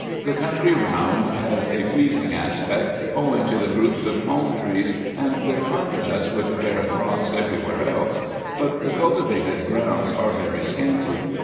The country round has a pleasing aspect, owing to the groups of palm trees, and their contrast with the barren rocks every where else ; but the cultivated grounds are very scanty.